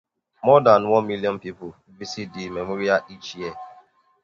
More than one million people visit the memorial each year.